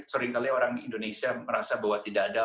sering kali orang indonesia merasa bahwa tidak ada